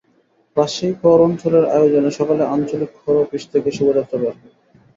রাজশাহী কর অঞ্চলের আয়োজনে সকালে আঞ্চলিক কর অফিস থেকে শোভাযাত্রা বের হয়।